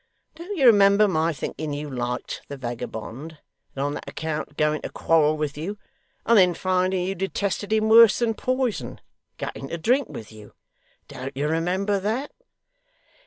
Don't you remember my thinking you liked the vagabond, and on that account going to quarrel with you; and then finding you detested him worse than poison, going to drink with you? Don't you remember that?